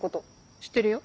知ってるよ。